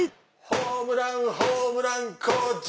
ホームランホームラン小島！